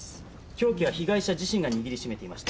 凶器は被害者自身が握り締めていました。